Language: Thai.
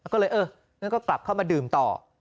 ก็เลยเอองั้นก็กลับเข้ามาดื่มต่อ